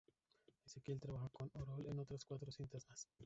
Esquivel trabaja con Orol en otras cuatro cintas más.